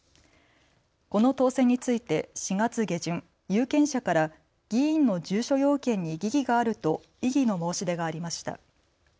この当選について４月下旬、有権者から議員の住所要件に疑義があると異議の申し出がありました。